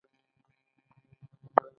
هر تایید د دې پروژې یوه سخته ډبره ده.